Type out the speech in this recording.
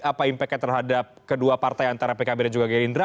apa impactnya terhadap kedua partai antara pkb dan juga gerindra